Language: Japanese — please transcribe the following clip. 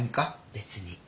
別に。